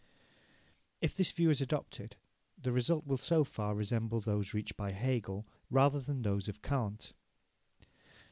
If this view is adopted, the result will so far resemble those reached by Hegel rather than those of Kant.